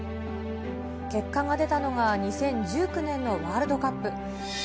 結果が出たのが、２０１９年のワールドカップ。